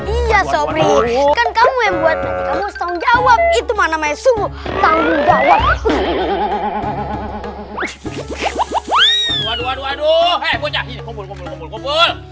iya sobring kamu yang buat tanggung jawab itu mana mesum tanggung jawab